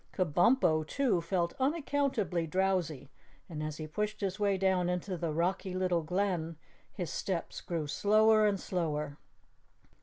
Kabumpo, too, felt unaccountably drowsy, and as he pushed his way down into the rocky little glen his steps grew slower and slower.